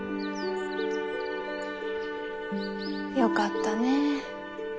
よかったねえ。